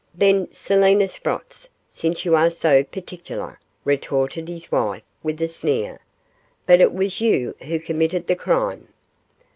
'Then Selina Sprotts, since you are so particular,' retorted his wife, with a sneer; 'but it was you who committed the crime.